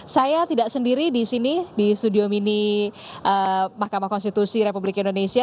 saya tidak sendiri di sini di studio mini mahkamah konstitusi republik indonesia